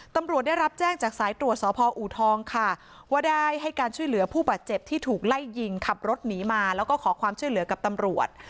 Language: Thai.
ตำรวจได้รับแจ้งจากสายตรวจสพอูทองค่ะว่าได้ให้การช่วยเหลือผู้บาดเจ็บที่ถูกไล่ยิงขับรถหนีมาแล้วก็ขอความช่วยเหลือกับตำรวจ